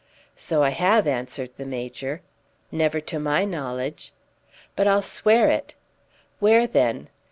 "So I have," answered the Major. "Never to my knowledge." "But I'll swear it!" "Where then?"